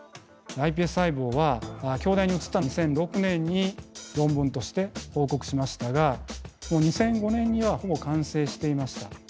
ｉＰＳ細胞は京大に移った２００６年に論文として報告しましたが２００５年にはほぼ完成していました。